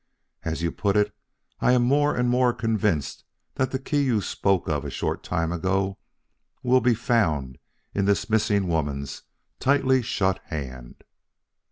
"As you put it, I am more and more convinced that the key you spoke of a short time ago will be found in this missing woman's tightly shut hand."